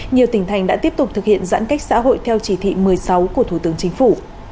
nhiều tỉnh thành đã tiếp tục thực hiện giãn cách xã hội theo chỉ thị một mươi sáu của thủ tướng chính phủ